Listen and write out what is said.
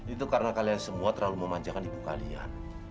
itu karena kalian semua terlalu memanjakan ibu kalian